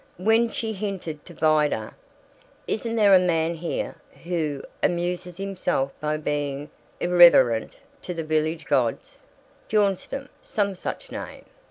(When she hinted to Vida, "Isn't there a man here who amuses himself by being irreverent to the village gods Bjornstam, some such a name?"